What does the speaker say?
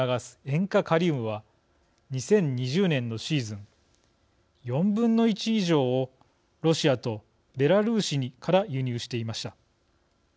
塩化カリウムは２０２０年のシーズン４分の１以上をロシアとベラルーシから輸入していました。